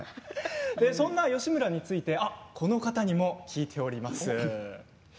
そんな義村についてこの方にも聞いています。